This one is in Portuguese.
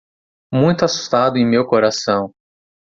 Muito assustado em meu coração